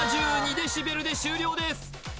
デシベルで終了です